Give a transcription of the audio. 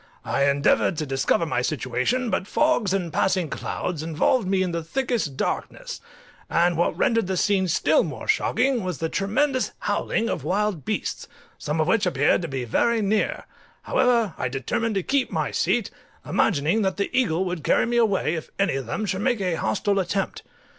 I endeavoured to discover my situation, but fogs and passing clouds involved me in the thickest darkness, and what rendered the scene still more shocking was the tremendous howling of wild beasts, some of which appeared to be very near: however, I determined to keep my seat, imagining that the eagle would carry me away if any of them should make a hostile attempt.